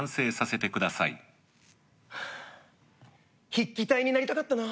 筆記体になりたかったな。